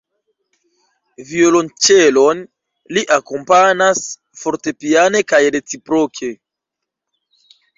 Violonĉelon; li akompanas fortepiane kaj reciproke.